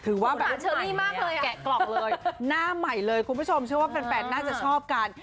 ว่าแบบเชอรี่มากเลยแกะกล่องเลยหน้าใหม่เลยคุณผู้ชมเชื่อว่าแฟนน่าจะชอบกัน